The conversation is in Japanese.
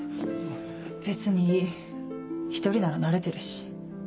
別にいい一人なら慣れてるし。